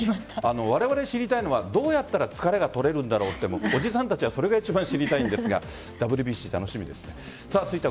われわれが知りたいのはどうやったら疲れが取れるんだろうとおじさんたちはそれが一番知りたいんですがＷＢＣ、楽しみです。